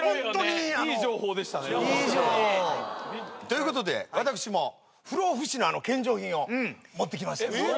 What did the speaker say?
いい情報。ということで私も不老不死の献上品を持ってきました。